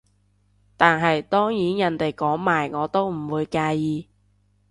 但係當然人哋講埋我都唔會介意